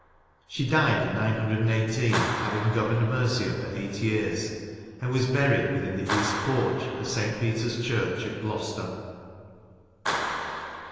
She died in 918, after having governed Mercia for eight years, and was buried within the east^porch of St. Peter s Church, at Gloucester.